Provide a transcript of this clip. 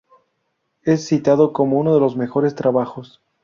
Es citado como uno de sus mejores trabajos.